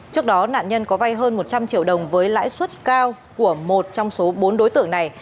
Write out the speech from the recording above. trước đó nạn nhân có vay hơn một trăm linh triệu đồng với lãi suất cao của một trong số bốn đối tượng này